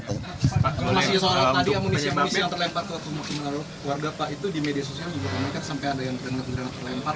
kalau masih soal tadi amunisi amunisi yang terlempar ke warga pak itu di media sosial juga kami kan sampai ada yang terlempar